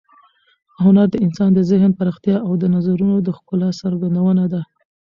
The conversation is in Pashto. هنر د انسان د ذهن پراختیا او د نظرونو د ښکلا څرګندونه ده.